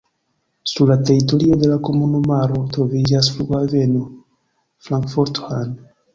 Sur la teritorio de la komunumaro troviĝas la flughaveno Frankfurt-Hahn.